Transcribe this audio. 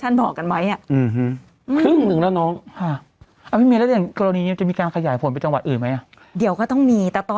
ตอนนี้ครึ่งนึงแล้วอะถ้าสมมติเจอกระดับที่สองแสนโล